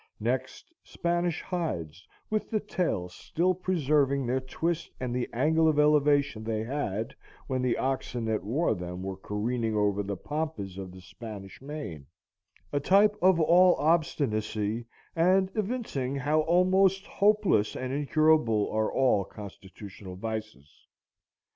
Next Spanish hides, with the tails still preserving their twist and the angle of elevation they had when the oxen that wore them were careering over the pampas of the Spanish main,—a type of all obstinacy, and evincing how almost hopeless and incurable are all constitutional vices.